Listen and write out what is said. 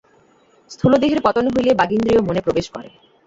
স্থূলদেহের পতন হইলে বাগিন্দ্রিয় মনে প্রবেশ করে।